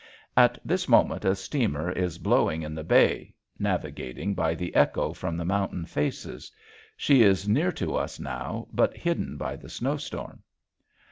At this moment a steamer is blowing in the bay, navigating by the echo from the mountain faces. She is near to us now but hidden by the snowstorm.